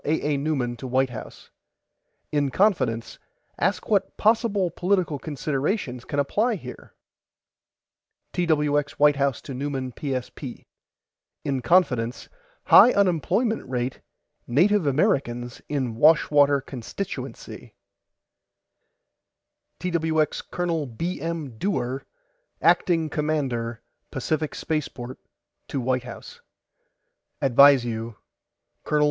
A. A. NEUMAN TO WHITE HOUSE: IN CONFIDENCE ASK WHAT POSSIBLE POLITICAL CONSIDERATIONS CAN APPLY HERE TWX WHITE HOUSE TO NEUMAN PSP: IN CONFIDENCE HIGH UNEMPLOYMENT RATE NATIVE AMERICANS IN WASHWATER CONSTITUENCY TWX COL. B. M. DEWAR ACTING COMMANDER PACIFIC SPACEPORT TO WHITE HOUSE: ADVISE YOU COL.